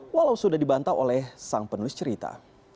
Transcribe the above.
walau sudah dibantah oleh sang penulis cerita